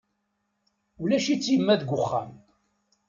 Ulac-itt yemma deg wexxam.